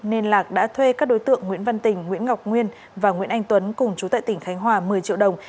nên lạc đã thuê các đối tượng nguyễn văn tình nguyễn ngọc nguyên và nguyễn anh tuấn cùng chú tại tỉnh khánh hòa một mươi triệu đồng